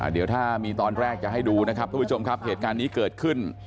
เดี๋ยวถ้ามีตอนแรกจะให้ดูนะครับทุกผู้ชมครับเหตุการณ์นี้เกิดขึ้น